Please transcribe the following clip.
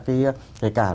thì tôi cho rằng